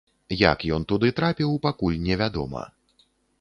Як ён туды трапіў, пакуль невядома.